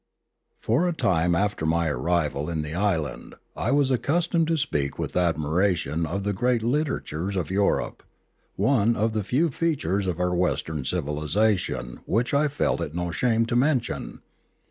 For a time after my arrival in the island I was ac customed to speak with admiration of the great litera tures of Europe, one of the few features of our Western civilisation which I felt it no shame to mention.